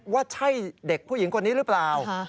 ว่าใช่เด็กผู้หญิงคนนี้หรือเปล่า